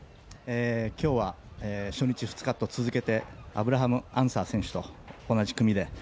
今日は、初日、２日と続けてエイブラハム・アンサー選手と同じ組で。